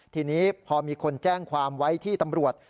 ทีนี้พอมีคนแจ้งความไว้ที่ตำรวจ